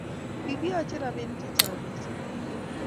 Kikiyoche robinik che chang' mising